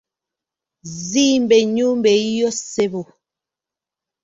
Zimba ennyumba eyiyo ssebo.